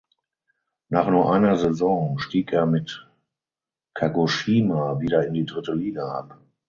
Nach nur einer Saison stieg er mit Kagoshima wieder in die dritte Liga ab.